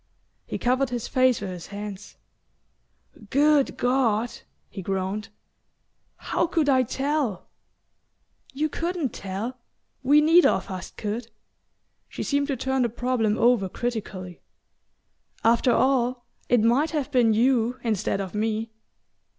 He covered his face with his hands. "Good God!" he groaned. "How could I tell?" "You couldn't tell. We neither of us could." She seemed to turn the problem over critically. "After all, it might have been YOU instead of me!"